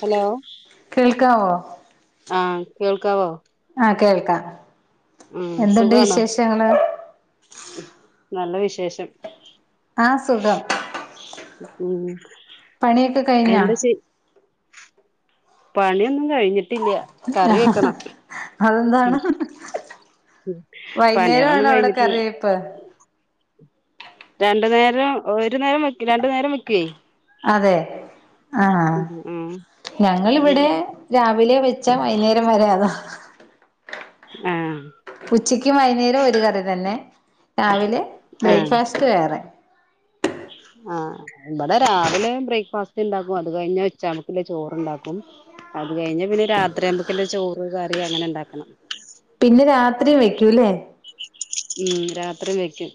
Hello കേൾക്കാവോ? ആഹ് കേൾക്കാവോ? ആഹ് കേൾക്കാം. ഉം എന്തുണ്ട് സുഖാണോ വിശേഷങ്ങള്? നല്ല വിശേഷം. ആ സുഖം ഉം പണിയൊക്കെ കഴിഞ്ഞാ എന്താ ചെയ് പണിയൊന്നും കഴിഞ്ഞിട്ടില്ല കറി വെക്കണം അതെന്താണ് ഉ പണികളൊന്നും വൈകുന്നേരമാണോ അവിടെ കഴിഞ്ഞിട്ടില്ല കറിവെപ്പ് രണ്ടു നേരം ഒരു നേരം വെ അതെ ആഹ് ഉം ഉം ഞങ്ങളിവിടെ രാവിലെ വെച്ചാ വൈകുന്നേരം വരെ അതാ ആഹ് ഉച്ചക്കും വൈകുന്നേരവും ഒരു കറി തന്നെ രാവിലെ ആഹ് ബ്രേക്ക്ഫാസ്റ്റ് വേറെ ആഹ് ഇവിടെ രാവിലെ ബ്രേക്ക്ഫാസ്റ്റ് ഉണ്ടാക്കും അത് കഴിഞ്ഞാ ഉച്ച ആകുമ്പലെ ചോറുണ്ടാക്കും അത് കഴിഞ്ഞാ പിന്നെ രാത്രി ആകുമ്പെക്കെല്ലാം ചോറും കറി അങ്ങനെ ഉണ്ടാക്കണം രാത്രിയും വെക്കൂല്ലേ ഉം രാത്രിയും വെക്കും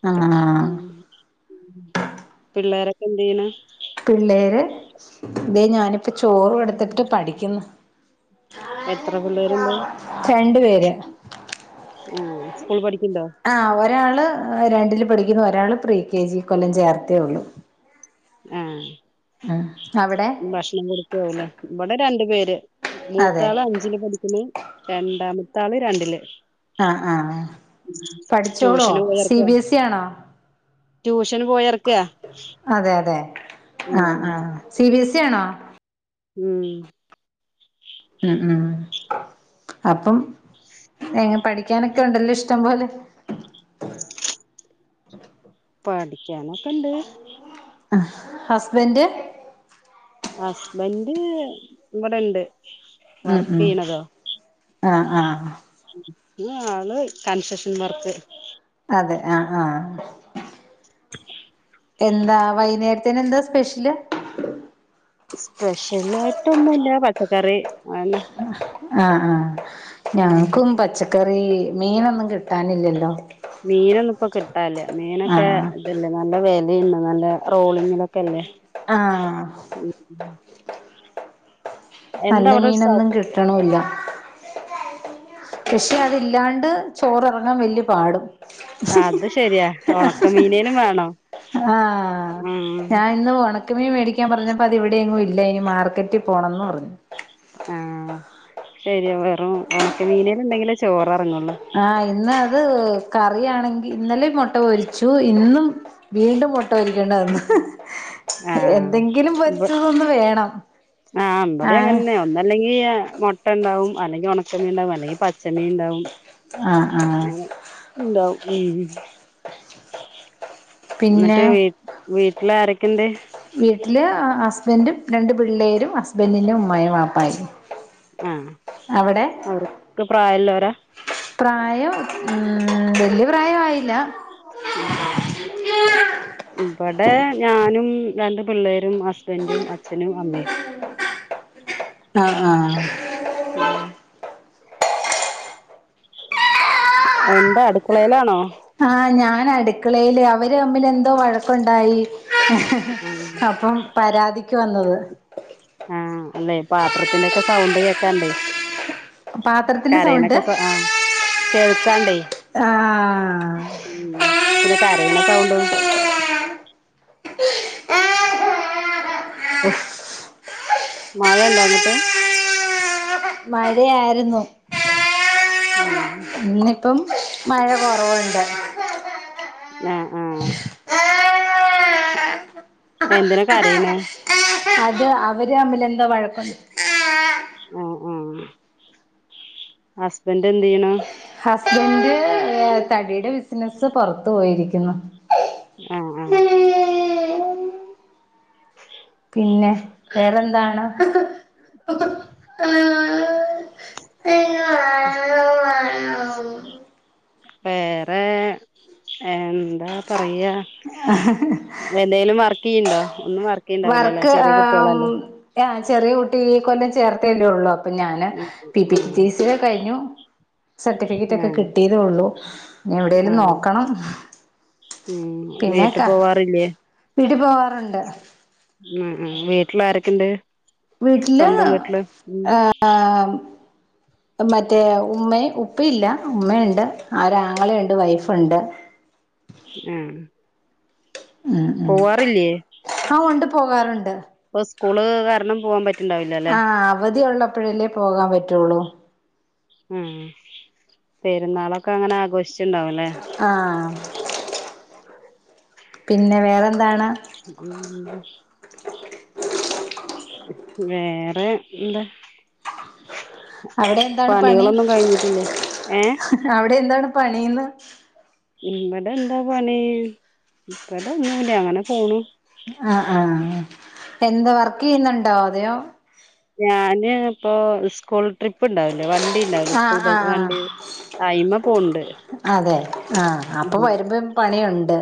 ആഹ് പിള്ളോരൊക്കെ എന്ത് ചെയ്യണ് പിള്ളേര് ഇതേ ഞാനിപ്പം ചോറ് കൊടുത്തിട്ട് പഠിക്കുന്നു എത്ര പിള്ളേരുണ്ട് രണ്ടു പേര് ആഹ് സ്കൂൾ പഠിക്ക്ണ്ടോ ആഹ് ഒരാള് രണ്ടില് പഠിക്കുന്നു ഒരാള് പ്രീ കെ ജി ഇക്കൊല്ലം ചേർത്തേ ഉള്ളു ആഹ് അവിടെ ഭക്ഷണം കൊടുത്തു ഇല്ലേ ഇവിടെ രണ്ടു പേര് അതെ മൂത്താള് അഞ്ചില് പഠിക്കണ് രണ്ടാമത്തെ ആള് രണ്ടില് ആഹ് ആഹ് പഠിച്ചോളോ ട്യൂഷന് സി പോയർക്കാ ബി എസ് ഇ ആണോ ട്യൂഷന് പോയറ് അതെ അതെ ആഹ് ഉം ആഹ് സി ബി എസ് ഇ ആണോ ഉം ഉം ഉം അപ്പം എങ്ങ പഠിക്കാനൊക്കെ ഉണ്ടല്ലോ ഇഷ്ടംപോലെ [unintelligible] പഠിക്കാനൊക്കെ ഇണ്ട് ഹസ്ബൻഡ് ഹസ്ബൻഡ് ഇവിടൊണ്ട് ഉം വർക്ക് ഉം ചെയ്യണതോ ആഹ് ആഹ് ആള് കൺസ്ട്രക്ഷൻ വർക്ക് അതെ ആഹ് ആഹ് എന്താ വൈകുന്നേരത്തിന് എന്താ സ്പെഷ്യല് സ്പെഷ്യൽ ആയിട്ടൊന്നുമില്ല പച്ചക്കറി അതന്നെ ആഹ് ആഹ് ഉം ഞങ്ങക്കും പച്ച ക്കറി മീനൊന്നും കിട്ടാനില്ലല്ലോ മീനൊന്നും ഇപ്പോ കിട്ടാനില്ല മീനൊക്കെ ആഹ് ഇതല്ലേ നല്ല വെ ലയുണ്ട് നല്ല റോളിങ്ങിലൊക്കെ അല്ലേ ആഹ് എന്താ നല്ല അവിടെ ഒരു സൗ മീനൊന്നും കിട്ടണൂല്ല പക്ഷെ അതില്ലാണ്ട് ചോറെറങ്ങാൻ വല്ല്യ പാടും അത് ശരിയാ ഒണക്കമീനേനും വേണം ആഹ് ഉം ഞാൻ ഇന്ന് ഒണക്കമീൻ മേടിക്കാൻ പറഞ്ഞ പ്പ അതിവിടെ എങ്ങും ഇല്ല ഇനി മാർക്കറ്റിൽ പോണന്ന് പറഞ്ഞു ആഹ് ശരിയാ വെറും ഒണക്കമീനേലുണ്ടെങ്കിലെ ചോറെ ആഹ് ഇന്ന് അത് എ് കറിയാണെങ്കി ഇന്നലെം മൊട്ട പൊരിച്ചു ഇന്നും വീണ്ടും മൊട്ട പൊരിക്കേണ്ട വന്നു ആഹ് എന്തെങ്കിലും ഇവ പൊരിച്ചതൊന്ന് വേണം ആഹ് മ്പടെ ആഹ് അങ്ങനെന്നെ ഒന്നല്ലെങ്കി എ് മൊട്ട ഇണ്ടാവും അല്ലെങ്കി ഒണക്കമീൻ ഇണ്ടാവും അല്ലെങ്കി പച്ചമീൻ ഇണ്ടാവും ആഹ് ആഹ് ഉണ്ടാവും ഉം പിന്നെ ന്നിട്ട് വീ വീട്ടില് ആരൊക്കെണ്ട് വീട്ടില് ഹസ്ബൻ്റും രണ്ട് പിള്ളേരും ഹസ്ബൻ്റിന്റെ ഉമ്മായും വാപ്പായും ആഹ് അവിടെ അവർക്ക് പ്രായല്ലോരാ പ്രായം ഉം വല്യ പ്രായം ആയില്ല ഉം ഇബടെ ഞാനും രണ്ട് പിള്ളേരും ഹസ് ബന്റും അച്ഛനും അമ്മേം ആഹ് ആഹ് ഉം എന്താ അടുക്കളേലാണോ ആഹ് ഞാൻ അടുക്കളയില് അവര് അമ്മില് എന്തോ വഴക്കുണ്ടായി ആഹ് അപ്പം പരാതിക്ക് വന്നത് ആഹ് അല്ലെ പാത്രത്തിന്റെക്കെ സൗണ്ട് കേക്കാണ്ടേ പാത്രത്തിന്റെ കരേണക്ക സൗണ്ട് സ അ കേൾക്കാണ്ടേ ആഹ് ഉം പിന്നെ കരയണ സൗണ്ടും [inaudible] ഉഫ് മഴ ഇണ്ടാ അങ്ങിട്ട് മഴയായിരുന്നു ഉം ഇന്നിപ്പം മഴ കൊറവുണ്ട് ആഹ് ആഹ് എന്തിനാ കരയണ് അത് അവര് അമ്മില് എന്തോ വഴക്കു ആ ആ ഹസ്ബൻ്റ് എന്തിയണു ഹസ്ബൻ്റ് തടിടെ ബിസിനസ്സ് പൊറത്തു പോയിരിക്കുന്നു ആഹ് ആഹ് പിന്നെ വേറെന്താണ് [inaudible] വേറെ എന്താ പറയാ അ ക്കിയ്ണ്ടോ ഒന്നും വർക്കീ യ്ണ്ടാവില്ലല്ലേ ചെറിയ കുട്ട്യോളല്ലേ ആ ചെറിയ കുട്ടി ഈ കൊല്ലം ചേർത്തല്ലേ ഉള്ളു അപ്പൊ ഞാന് ഉം പി ഉം പിറ്റീസിയ കഴിഞ്ഞു സർട്ടിഫിക്കറ്റ് ഒക്കെ ആഹ് കിട്ടിതേ ഉള്ളൂ ഞി എവിടെലും ആഹ് നോക്കണം ഉം പിന്നെ വീട്ട് പോവാറില്ലേ വീട്ടിൽ പോവാറുണ്ട് ഉംഉം വീട്ടില് ആരൊക്കെ ഇണ്ട് വീട്ടില് മറ്റേ ഉമ്മേം ഉപ്പ ഇല്ല ഉമ്മേണ്ട് ഒരാങ്ങളെണ്ട് വൈഫുണ്ട് ഉം ആ ആ ഒണ്ട് പോകാറൊണ്ട് ഇപ്പം സ്കൂളെ കാരണം പോവാൻ പറ്റ് ആ അവധി ഒള്ളപ്പോഴല്ലേ പോകാൻ പറ്റൂള്ളൂ ആ പെരുന്നാളൊക്കങ്ങനാഘോഷിച്ചു ണ്ടാവും ആ പിന്നെ വേറെന്താണ് [inaudible] വേറെ എന്തെ അവിടെ എന്താണ് പണി കഴിഞ്ഞിട്ടില്ലേ ഏ അവിടെ എന്താണ് പണീന്ന് ഇവിടെ എന്താ പണി ഇവിടൊന്നും ഇ ല്ല അങ്ങനെ പോണു ആ ആ എന്ത വർക്ക് ചെയ്യുന്നുണ്ടോ അതെയോ ഞാന് ഇപ്പോ സ്കൂൾ ട്രിപ്പ് ഉണ്ടാവില്ലേ വണ്ടി ഇണ്ടാവില്ലേ ആഹ് സ്കൂൾബസ് ആഹ് ആഹ് വണ്ടീലെ അതെ ആ അപ്പം ഉം വരുമ്പം പണിയൊണ്ട്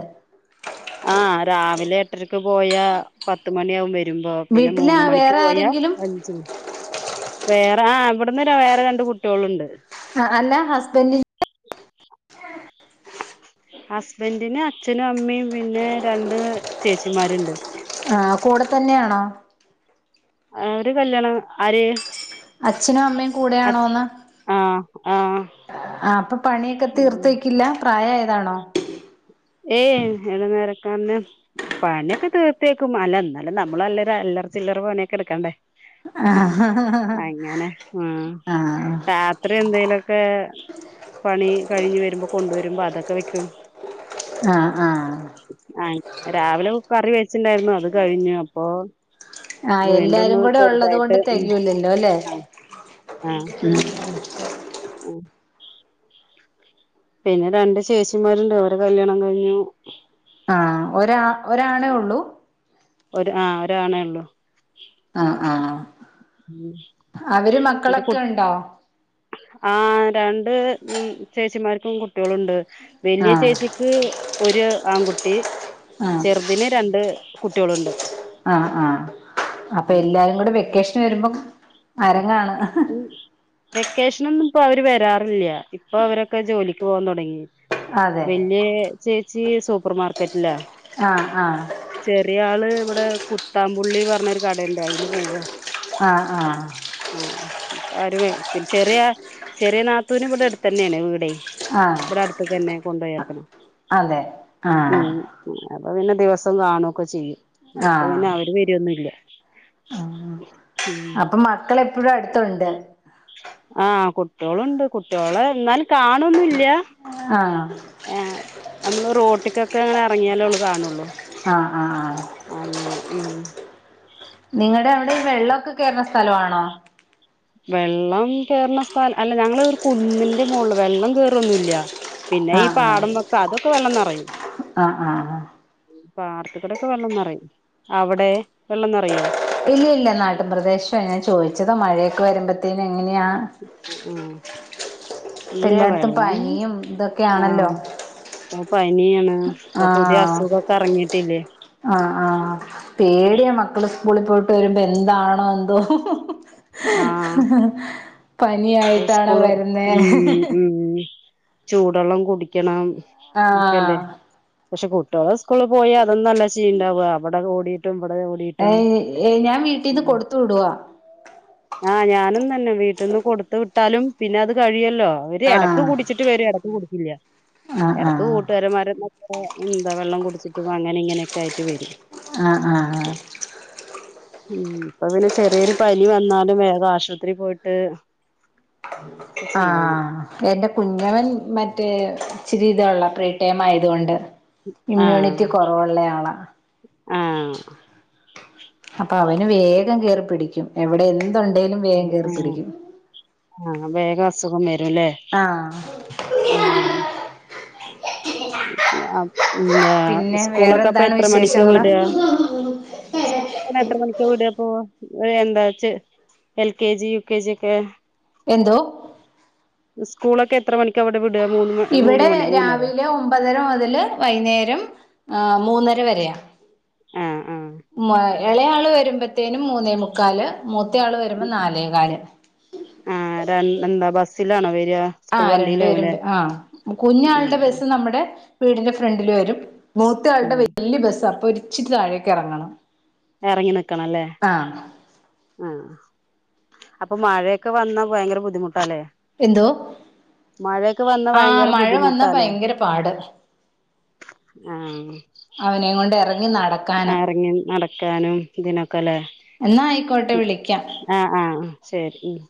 ആ രാവിലെ എട്ടരക്ക് പോയാ പത്തുമണിയാവും വരും വരുമ്പോ പിന്നെ വീട്ടില് മൂന്ന് മണിക്ക് വേറെ പോയാ ആരെങ്കിലും അഞ്ചിനെ വേറാ ആ ഇവിടിന്നെ വേറെ രണ്ട് കുട്ട്യോളുണ്ട് ആ അല്ല ഹസ്ബന്റിന്റെ [inaudible] ഹസ്ബന്റിനെ അച്ഛനും അമ്മയും പിന്നെ രണ്ട് ചേച്ചിമാരിണ്ട് ആ കൂടെ തന്നെയാണോ അവരെ കല്യാണം ആര് അച്ഛനും അമ്മയും അച് കൂടെയാണോന്ന് ആഹ് ആഹ് ആ അപ്പൊ പണിയൊക്കെ തീർത്തെയ്ക്കില്ല പ്രായായതാണോ ഏയ് ഇവിടെ നേരക്കാനെ പണിയൊക്കെ തീർത്തേക്കും അല്ല എന്നാലും നമ്മളല്ലേ ര എല്ലാ റ ചില്ലറ പണിയൊക്കെ എടുക്കണ്ടേ ആഹ് അങ്ങനെ ആ ആഹ് രാത്രി എഎന്തേലൊക്ക് ഒക്കെ പണി കഴിഞ്ഞു വരുമ്പം കൊണ്ടുവരുമ്പം അതൊക്കെ വെയ്ക്കും ആ ആ രാവിലെ ഒ കറി വെച്ചിഅല്ലായിരുന്നോ അത് കഴിഞ്ഞു അപ്പോ ആ എല്ലാരും കൂടെ ഒള്ളതെ കൊണ്ട് ഉം തെകയൂലല്ലല്ലോ അല്ലേ ആഹ് ഉം ഉം [inaudible] പിന്നെ രണ്ട് ചേച്ചിമാരുണ്ട് അവർ ടെ കല്യാണം കയ്ഞ്ഞു ആ ഒരാ ഒരാണേ ഉള്ളൂ ഒരു ആ ഒരാണേ ഉള്ളൂ ആഹ് ആഹ് അവര് എന്റെ കു മക്കളൊക്കെ ഉണ്ടോ ആ രണ്ട് ഉം ചേച്ചിമാർക്കും കുട്ടികളൊണ്ട് വലിയ ആഹ് ചേച്ചിക്ക് ഒരു ആൺകുട്ടി ആഹ് ചെറുതിന് രണ്ടേ കുട്ടികളുണ്ട് ആ ആ അപ്പ എല്ലാരും കൂടെ വെക്കേഷനു വരുമ്പം അരങ്ങാണ് ഉ വെക്കേഷനൊന്നും ഇപ്പ അവര് വരാറില്യ ഇപ്പൊ അവരൊക്കെ ജോലിക്ക് പോവാൻ തൊടങ്ങി അതെ വല്യചേച്ചി ച്ചി സൂപ്പർ മാർക്കറ്റിലാ ആഹ് ആഹ് ചെറിയ ആളേ ഇവി ഇടെ കുത്താപുള്ളിന്നു പറഞ്ഞൊരു കടയുണ്ട് അയിലു പോവാ ആ ആ അവര് വരും പിന്നെ ചെറിയ ചെറിയ നാത്തൂനെ ഇവിടടുത്തന്യാ ണ് വീടെ ആഹ് ഇവിടടുത്തേക്കന്നെയാ കൊണ്ടേ ർക്കണെ അതെ ഉ ആഹ് അപ്പം പിന്നെ ദിവസം കാണുവൊക്കെ ചെയ്യും അപ്പ ആഹ് പിന്നെ അവര് വരുവൊന്നുമില്യ ഉം മക്കള എപ്പോഴും അടുത്തുണ്ട് ആഹ കുട്ടികോളുണ്ട് കുട്ടികളെ എന്നാലും കാണൊന്നുംല്ല ആഹ് ആ നമ്മള് റോട്ടിക്കൊക്കെ അങ്ങനെ ഇറങ്ങിയാലേ അവള് കാണുള്ളൂ ആഹ് ആഹ് ആഹ് അങ്ങനാണ് ഉം നിങ്ങളുടെ അവിടെ വെള്ളമൊക്കെ കേയറുന്ന സ്ഥലമാണോ വെള്ളം കേയറുന്ന സ്ഥലം അല്ല ഞങ്ങ ഒരു കുന്നിന്റെ മോുകളില് വെള്ളം കേയറൊന്നുംല്ല പിന്നെ ഈ ആഹ് ആഹ് പാടം വൊക്കെ അതൊക്കെ വെള്ളംന്ന്റൂ ആഹ് ആഹ് ആഹ് പാർത്തക്കടൊക്കെ വെള്ളംന്ന്റ അവിടെ വെള്ളംറിയുമോ ഇല്ല ഇല്ല നാട്ടിൻപ്രദേശം എന്നങ്ങാെ ചോദിച്ചതോ മഴയൊക്കെ വരുമ്പോത്തേന് എങ്ങനെയാണ് ആഹ് ഇല്ല വെള്ളം ഇതൊക്കെയാണല്ലോ ആഹ അ പനിയാണ് ഇപ്പൊ പുതിയ ആഹ അസുഖൊക്കെ എറങ്ങിട്ടില്ലേ ആ ആഹ പേടിയ മക്കള് സ്കൂളി പോയിട്ട് വരുമ്പോ എന്താണോ എന്തോ ആഹ് പനിയായിട്ടാണോ സ്കൂള് വരുന്നെ ചൂടെള്ളം കുടിക്കണം ആ ഒക്കെല്ലേ പക്ഷെ കുട്ടികള് സ്കൂളി പോയ അതൊന്നുവല്ല ചെയ്യണ്ടാവുക അവിടെ ഓടിയിട്ടും ഇവിടെ ഏ ഓടിയിട്ടും ഏ ഞാൻ വീട്ടിന്ന് ഉം കൊടുത്തു വിടുവ ഇട്ടാലും പിന്നെ അത് കഴിയല്ലോ അവര് ഇടയ്ക്ക് ആഹ് കുടിച്ചിട്ട് വരും ഇടക്ക് കുടിക്കില്ല ആഹ് ഇടക്ക് ആഹ് കൂട്ടുകാരമാരൊന്നൊക്കെ എന്താ വെള്ളം കുടിച്ചിട്ടും അങ്ങനെ ഇങ്ങനെയൊക്കെ ആയിട്ട് വരും ആ ആ ആ ഉം ഇപ്പൊ പിന്നെ ചെറിയൊരു പനി വന്നാലും വേഗം ആശുപത്രി പോയിട്ട് ആ ചെയ്യണം എന്റെ കുഞ്ഞവൻ മറ്റേ ഇച്ചിരിതുള്ള പ്രീടൈം ആയതുകൊണ്ട് ഇമ്മ്യൂണിറ്റി കുറവുള്ള ആള ആ അപ്പൊ അവന് വേഗം കയറിപ്പിടിക്കും എവിടെ എന്തുണ്ടെലും വേഗം കേറി പിടിക്കും ആ വേഗം അസുഖം വരുല്ലേ ആഹ് ഉം ന പിന്നെ പിന്നെ സ്കൂളൊക്കെ അപ്പൊ വേറെന്താണ് എത്ര മണിക്ക വിശേഷങ്ങള് വീട സ് എത്ര മണിക്ക വിടുകപ്പോ ഒരു എന്താച്ച L K G U K G ക്കെ എന്തോ സ്കൂളൊക്കെ എത്ര മണിക്ക അവിടെ വി ഇവിടെ രാവിലെ ഒമ്പതര മുതല് വൈകുന്നേരം ആ മൂന്ന ര വരയാ ആ ആ എളെയാള് വരുമ്പത്തേനും മൂന്നേ മുക്കാല് മൂത്ത ആള് വരുമ്പോ നാലേകാല് ത്തില്ലാണൊ വ ആ രണ്ടു പേരും ആ കുഞ്ഞാളുടെ ബസ്സ് നമ്മുടെ വീടിന്റെ ഫ്രണ്ടില് വരും മൂത്ത ആളുടെ ഉം വല്ല്യ ബസ്സാ അപ്പൊ ഒരിച്ചിരി താഴേക്കിറങ്ങണം ഇറങ്ങി നിക്കണല്ലേ ആ അപ്പൊ മഴയൊക്കെ വന്നാ ഭയങ്കര ബുദ്ധിമു എന്തോ മഴയൊക്കെ വന്നാ ആഹ് ഭയങ്കര മഴ വന്നാ ബുദ്ധിമുട്ടാല്ലേ ഭയങ്കര പാട് ആ അവനേം കൊണ്ട് എറങ്ങി നടക്കാന് എറങ്ങി നടക്ക ക്കാനും ഇതിനൊക്കെല്ലേ എന്നാ ആയിക്കോട്ടെ വിളിക്കാം ആ ആ ആ ശരി ഉം